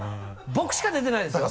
僕しか出てないんですよ。